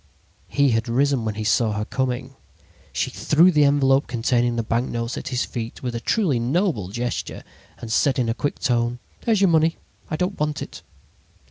"He had risen when he saw her coming.' "She threw the envelope containing the banknotes at his feet with a truly noble gesture and said in a quick tone: "'There's your money. I don't want it!'